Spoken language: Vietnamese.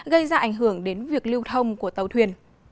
gây ra ảnh hưởng đến việc lưu thông của tàu thuyền